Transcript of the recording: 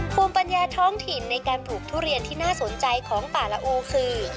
ภูมิปัญญาท้องถิ่นในการปลูกทุเรียนที่น่าสนใจของป่าละโอคือ